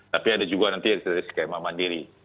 tapi ada juga nanti dari skema mandiri